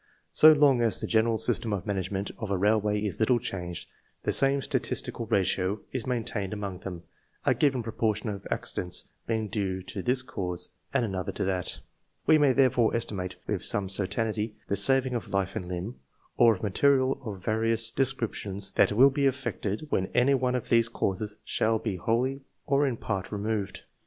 So long as the general system of management of a railway is little changed, the same statistical ratio is maintained among them, a given proportion of accidents being due to this cause, and another to that. We may therefore estimate with some certainty the saving of life and limb, or of material of various descrip tions, that will be effected when any one of these causes shall be wholly or in part removed.